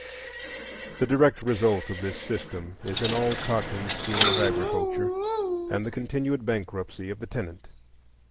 The direct result of this system is an all cotton scheme of agriculture and the continued bankruptcy of the tenant.